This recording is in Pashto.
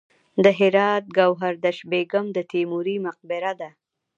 د هرات ګوهردش بیګم د تیموري مقبره ده